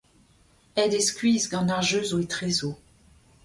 Aet eo skuizh gant ar jeu zo etrezo.